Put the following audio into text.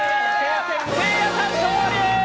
せいやさん、勝利！